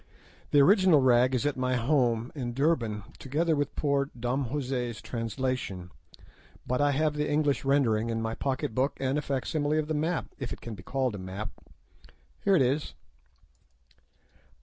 The original rag is at my home in Durban, together with poor Dom José's translation, but I have the English rendering in my pocket book, and a facsimile of the map, if it can be called a map. Here it is."